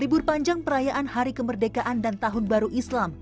libur panjang perayaan hari kemerdekaan dan tahun baru islam